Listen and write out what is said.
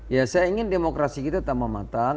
ya saya ingin demokrasi kita tambah matang